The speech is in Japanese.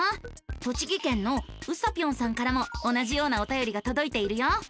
栃木県のうさぴょんさんからも同じようなおたよりがとどいているよ。